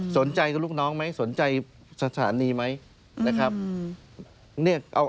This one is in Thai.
สนใจกับลูกน้องไหมสนใจสถานีไหมนะครับ